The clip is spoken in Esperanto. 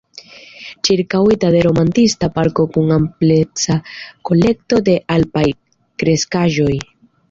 Ĉirkaŭita de romantisma parko kun ampleksa kolekto de alpaj kreskaĵoj.